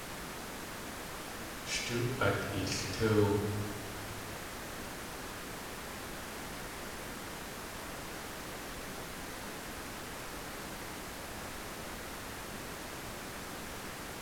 Sh tóo at iltóow!